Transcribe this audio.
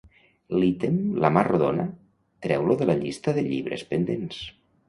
L'ítem "La mar rodona" treu-lo de la llista de llibres pendents.